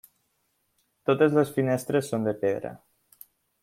Totes les finestres són de pedra.